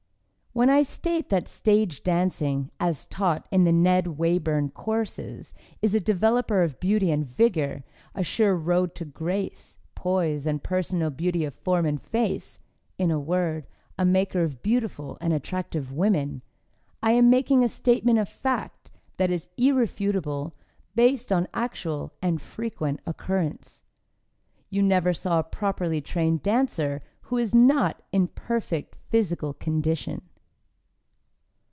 When I state that stage dancing, as taught in the Ned Wayburn courses, is a developer of health and vigor, a sure road to grace, poise and personal beauty of form and face in a word, a maker of beautiful and attractive women I am making a statement of fact that is irrefutable, based on actual and frequent occurrence. You never saw a properly trained dancer who was not in perfect physical condition.